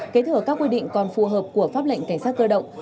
kế thừa các quy định còn phù hợp của pháp lệnh cảnh sát cơ động